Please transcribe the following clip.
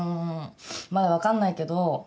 まだ分かんないけど。